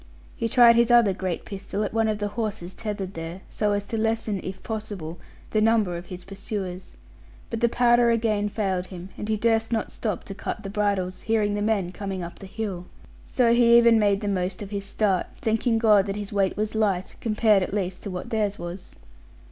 He tried his other great pistol at one of the horses tethered there, so as to lessen (if possible) the number of his pursuers. But the powder again failed him; and he durst not stop to cut the bridles, bearing the men coming up the hill. So he even made the most of his start, thanking God that his weight was light, compared at least to what theirs was.